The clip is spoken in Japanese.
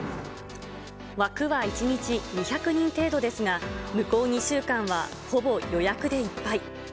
枠は１日２００人程度ですが、向こう２週間はほぼ予約でいっぱい。